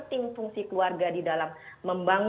dan juga kita juga sangat peduli sekali